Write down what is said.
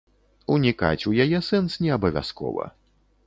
Унікаць у яе сэнс не абавязкова.